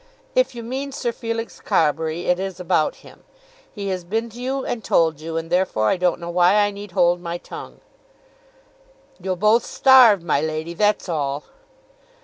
"If you mean Sir Felix Carbury, it is about him. He has been to you and told you, and therefore I don't know why I need hold my tongue." "You'll both starve, my lady; that's all."